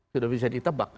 sudah bisa ditebak